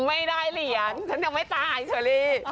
อ๋อไม่ได้เหรียญฉันยังไม่ตายสวัสดี